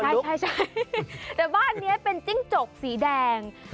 ใช่แต่บ้านนี้เป็นจิ้งจกสีแดง